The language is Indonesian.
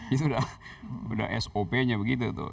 itu udah sop nya begitu tuh